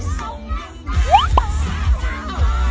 ต้องดับเกินหนัก